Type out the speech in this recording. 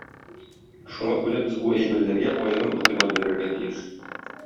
Шуңа күрә без бу әйберләргә аерым игътибар бирергә тиеш.